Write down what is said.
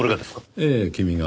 ええ君が。